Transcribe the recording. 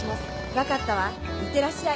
分かったわいってらっしゃい。